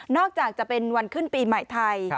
จากจะเป็นวันขึ้นปีใหม่ไทย